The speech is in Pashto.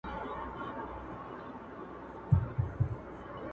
سترگي چي اوس نه برېښي د خدای له نور,